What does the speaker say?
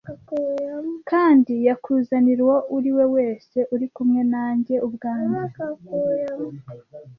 Kandi yakuzanira uwo uriwe wese uri kumwe nanjye ubwanjye.